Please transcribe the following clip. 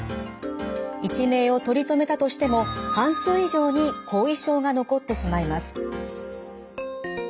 一命を取り留めたとしても半数以上に後遺症が残ってしまいます。